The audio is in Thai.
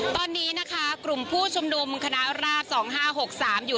ตอนนี้นะคะกลุ่มผู้ชมนุมคณาราฟ๒๕๖๓